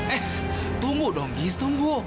eh tunggu dong his tunggu